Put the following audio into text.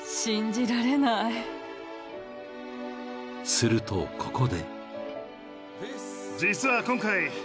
［するとここで］